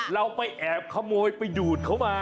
เราไปแอบขโมยไปดูดเขามา